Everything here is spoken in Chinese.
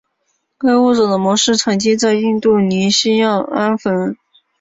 该物种的模式产地在印度尼西亚安汶。